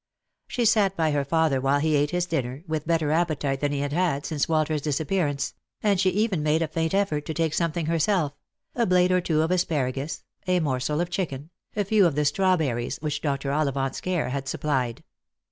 She sat by her father while he ate his dinner, with better appetite than he had had since Walter's disappearance, and she even made a faint effort to take something herself — a blade or two of asparagus — a morsel of chicken — a few of the strawberries which Dr. Ollivant's care had supplied.